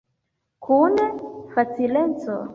Kun facileco.